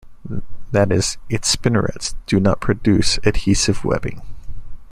That is, its spinnerets do not produce adhesive webbing.